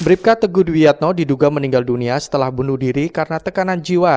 bribka teguh dwi yatno diduga meninggal dunia setelah bunuh diri karena tekanan jiwa